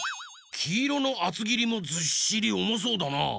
きいろのあつぎりもずっしりおもそうだな。